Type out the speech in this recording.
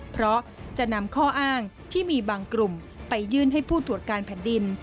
เพราะจะนำข้ออ้างที่มีบางกลุ่มไปยื่นให้ผู้ตรวจการแผ่นดิน